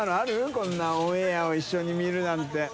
こんなオンエアを一緒に見るなんて。